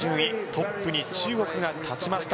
トップに中国が立ちました。